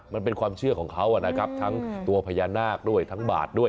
มันเป็นความเชื่อของเขานะครับทั้งตัวพญานาคด้วยทั้งบาทด้วย